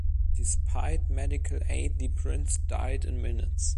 Despite medical aid, the prince died in minutes.